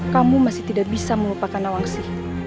kamu masih tidak bisa melupakan awangsi